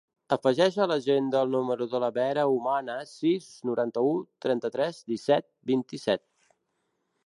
Afegeix a l'agenda el número de la Vera Humanes: sis, noranta-u, trenta-tres, disset, vint-i-set.